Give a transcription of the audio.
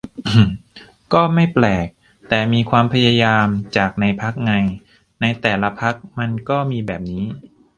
ก็ไม่แปลก แต่มีความพยายามจากในพรรคไง ในแต่ละพรรคมันก็มีแบบนี้